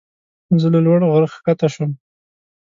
زه له لوړ غره ښکته شوم.